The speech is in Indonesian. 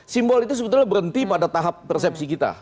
simbol itu sebetulnya berhenti pada tahap persepsi kita